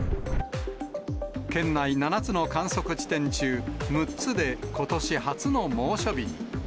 県内７つの観測地点中、６つでことし初の猛暑日。